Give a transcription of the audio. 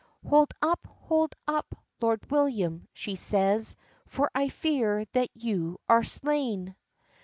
"Hold up, hold up, Lord William," she says, "For I fear that you are slain!"